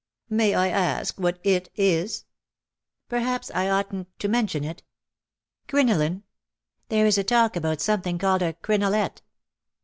^^'' May I ask what it is ?"^^ Perhaps I oughtn't to mention it — crinoline. There is a talk about something called a crinolette.'